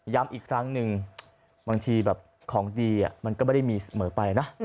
อีกครั้งหนึ่งบางทีแบบของดีมันก็ไม่ได้มีเสมอไปนะ